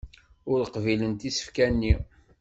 Ur qbilent isefka-nni.